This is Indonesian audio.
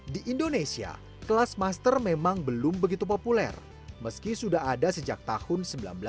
di indonesia kelas master memang belum begitu populer meski sudah ada sejak tahun seribu sembilan ratus sembilan puluh